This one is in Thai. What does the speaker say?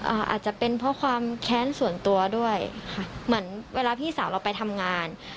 อาจจะเป็นเพราะความแค้นส่วนตัวด้วยค่ะเหมือนเวลาพี่สาวเราไปทำงาน